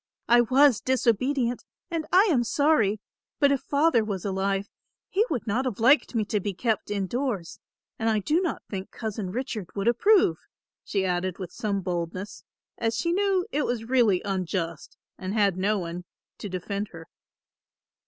I was disobedient and I am sorry, but if Father was alive, he would not have liked me to be kept in doors; and I do not think Cousin Richard would approve," she added with some boldness, as she knew it was really unjust and had no one to defend her.